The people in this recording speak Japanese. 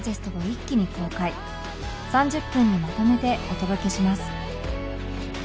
３０分にまとめてお届けします